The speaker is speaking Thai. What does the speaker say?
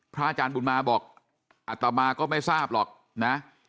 อาจารย์บุญมาบอกอัตมาก็ไม่ทราบหรอกนะ